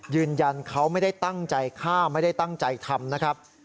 ยืนยันเขาไม่ได้ตั้งใจฆ่าไม่ได้ตั้งใจทำนะครับ